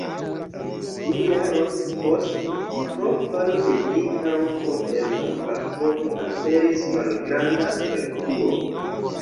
Du jarojn poste, pro falo de dika roko el la plafono, aperis malgranda aperturo.